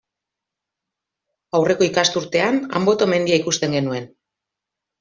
Aurreko ikasturtean Anboto mendia ikusten genuen.